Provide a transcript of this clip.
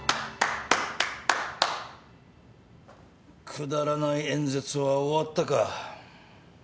くだらない演説は終わったか？